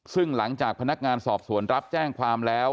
ซึ่งหลังจากพนักงานสอบสวนรับแจ้งความแล้ว